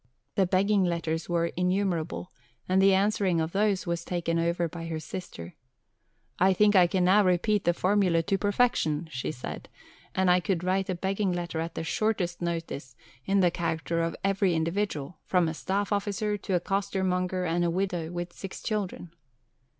The begging letters were innumerable, and the answering of these was taken over by her sister. "I think I can now repeat the formula to perfection," she said, "and I could write a begging letter at the shortest notice in the character of every individual, from a staff officer to a costermonger, and a widow with six children."